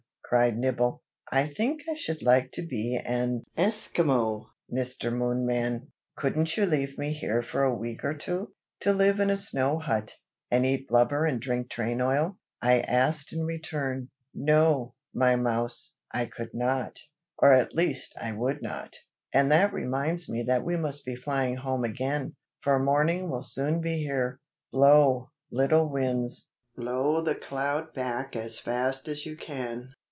cried Nibble. "I think I should like to be an Esquimaux, Mr. Moonman! Couldn't you leave me here for a week or two?" "To live in a snow hut, and eat blubber and drink train oil?" I asked in return. "No, my mouse, I could not, or at least I would not. And that reminds me that we must be flying home again, for morning will soon be here. Blow, little Winds, blow the cloud back as fast as you can."